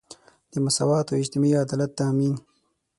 د مساوات او اجتماعي عدالت تامین.